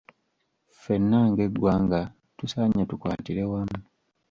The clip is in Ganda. Ffenna ng’eggwanga tusaanye tukwatire wamu.